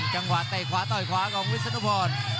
จังหวะไต่ขวาต่อยขวาของวิทย์สุนุพร